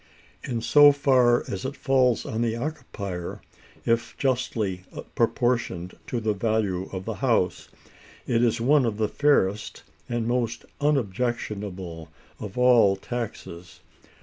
In so far as it falls on the occupier, if justly proportioned to the value of the house, it is one of the fairest and most unobjectionable of all taxes.